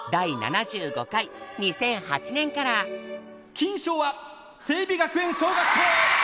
・金賞は星美学園小学校！